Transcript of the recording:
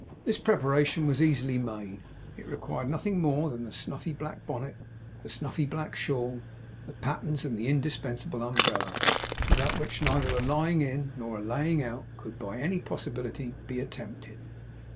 This preparation was easily made, as it required nothing more than the snuffy black bonnet, the snuffy black shawl, the pattens and the indispensable umbrella, without which neither a lying in nor a laying out could by any possibility be attempted.